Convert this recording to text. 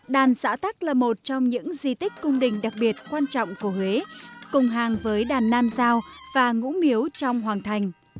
đàn xã tắc là một trong những di tích cung đình đặc biệt quan trọng của huế cùng hàng với đàn nam giao và ngũ miếu trong hoàng thành